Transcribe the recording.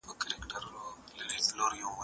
زه له سهاره کتابتون ته راځم،